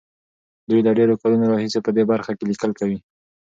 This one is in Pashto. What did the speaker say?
دوی له ډېرو کلونو راهيسې په دې برخه کې ليکل کوي.